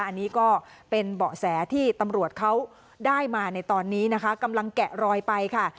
อันนี้ก็เป็นเบาะแสที่ตำรวจเขาได้มาในตอนนี้นะคะกำลังแกะรอยไปค่ะ